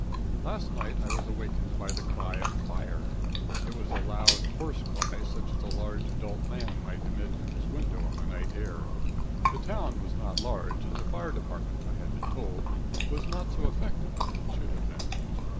Last night I was awakened by the cry of fire. It was a loud, hoarse cry, such as a large, adult man might emit from his window on the night air. The town was not large, and the fire department, I had been told, was not so effective as it should have been.